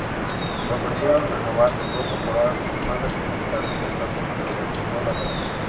Le ofrecieron renovar dos temporadas más al finalizar su contrato, pero declinó la oferta.